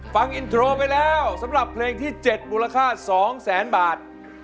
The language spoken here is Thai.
ฟังอินโทรไปแล้วสำหรับเพลงที่๗มูลค่า๒แสนบาท